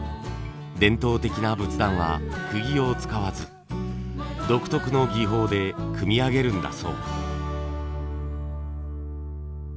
伝統的な仏壇はくぎを使わず独特の技法で組み上げるんだそう。